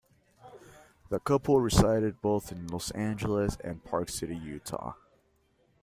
The couple resided both in Los Angeles and Park City, Utah.